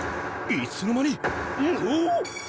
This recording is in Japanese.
いつの間に⁉ウホ！